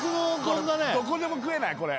どこでも食えないこれ。